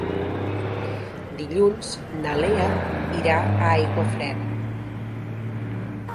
Dilluns na Lea irà a Aiguafreda.